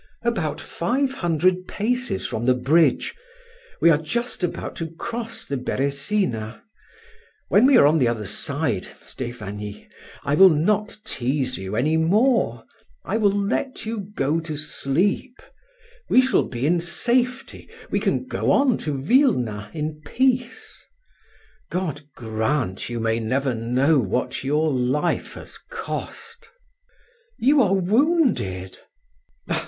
"About five hundred paces from the bridge. We are just about to cross the Beresina. When we are on the other side, Stephanie, I will not tease you any more; I will let you go to sleep; we shall be in safety, we can go on to Wilna in peace. God grant that you may never know what your life has cost!" "You are wounded!"